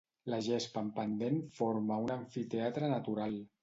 La gespa en pendent forma un amfiteatre natural.